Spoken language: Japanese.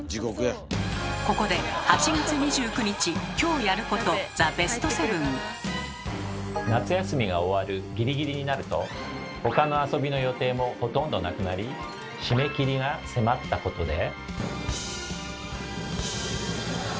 ここで夏休みが終わるギリギリになると他の遊びの予定もほとんどなくなり締め切りが迫ったことで。